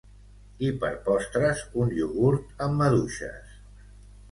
I per postres un iogurt amb maduixes